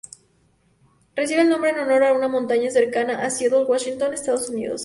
Recibe el nombre en honor a una montaña cercana a Seattle, Washington, Estados Unidos.